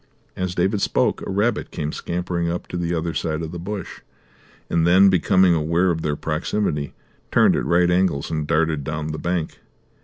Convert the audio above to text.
As David spoke a rabbit came scampering up to the other side of the bush, and then, becoming aware of their proximity, turned at right angles and darted down the bank.